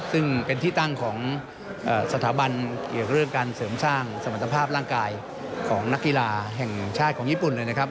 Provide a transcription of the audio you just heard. ซึ่งเป็นที่ตั้งของสถาบันเกี่ยวเรื่องการเสริมสร้างสมรรถภาพร่างกายของนักกีฬาแห่งชาติของญี่ปุ่นเลยนะครับ